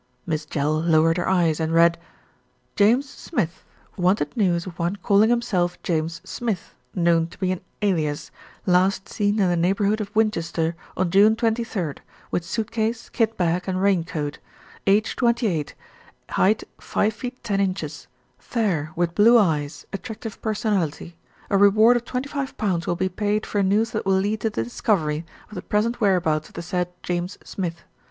Miss Jell lowered her eyes and read: JAMES SMITH. Wanted news of one calling himself James Smith (known to be an alias) last seen in the neighbourhood of Winchester on June 23rd, with suit case, kit bag, and rain coat. Age 28, height 5 ft. 10 in., fair, with blue eyes, attractive person ality. A reward of 25 will be paid for news that will lead to the discovery of the present whereabouts of the said James Smith.